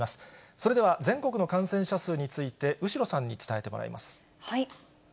それでは全国の感染者数について、後呂さんに伝えてもらいます。